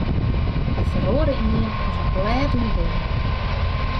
Hy feroare ynienen as in blêd oan 'e beam.